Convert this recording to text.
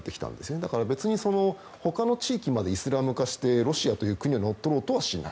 だから別に他の地域までイスラム化してロシアという国を乗っ取ろうとはしない。